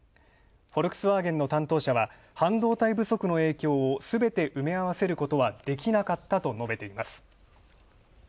フォルクスワーゲンの担当者は半導体不足の影響をすべて埋め合わせることはできなかったと述べています。